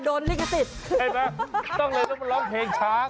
โดนลิคสิตใช่ไหมต้องเลยร้องเพลงช้าง